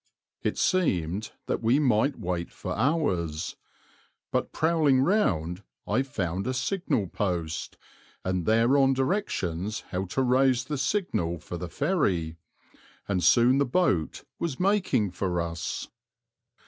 It seemed that we might wait for hours; but prowling round I found a signal post, and thereon directions how to raise the signal for the ferry, and soon the boat was making for us.